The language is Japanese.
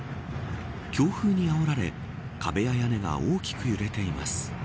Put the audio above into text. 強風にあおられ壁や屋根が大きく揺れています。